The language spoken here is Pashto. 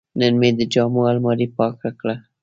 نن مې د جامو الماري پاکه کړه.